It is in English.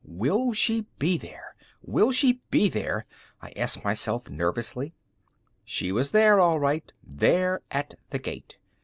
"Will she be there—will she be there?" I asked myself nervously. She was there, all right, there at the gate.